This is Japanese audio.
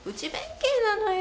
慶なのよ